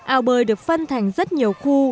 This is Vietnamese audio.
ao bơi được phân thành rất nhiều khu